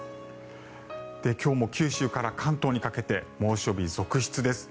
今日も九州から関東にかけて猛暑日続出です。